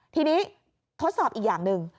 ทีนี้ทดสอบอีกอย่างหนึ่ง